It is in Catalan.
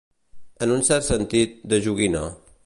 En un cert sentit, de joguina.